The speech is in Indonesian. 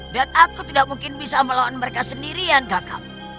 dan aku tidak mungkin bisa melawan mereka sendirian kakak